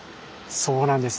そうなんです。